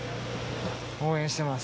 応援してます。